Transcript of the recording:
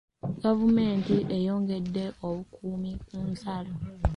Gavumenti eyongedde obukuumi ku nsalo.